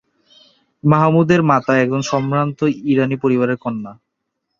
মাহমুদের মাতা একজন সম্ভ্রান্ত ইরানী পরিবারের কন্যা।